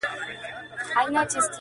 گراني په دې ياغي سيتار راته خبري کوه.